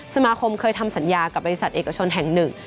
สมาคมเคยทำสัญญากับบริษัทเอกชนแห่งหนึ่ง